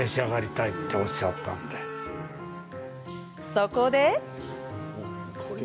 そこで。